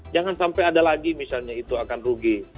jangan sampai ada lagi misalnya itu akan rugi